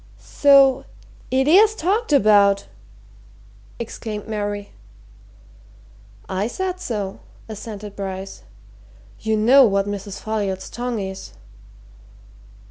"So it is talked about!" exclaimed Mary. "I said so," assented Bryce. "You know what Mrs. Folliot's tongue is."